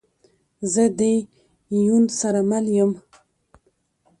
زه ده یون سره مل یم